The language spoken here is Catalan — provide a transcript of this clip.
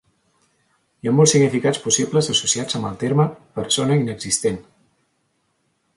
Hi ha molts significats possibles associats amb el terme "persona inexistent".